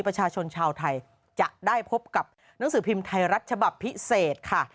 ประชาชนชาวไทยจะได้พบกับหนังสือพิมพ์ไทยรัฐฉบับพิเศษค่ะ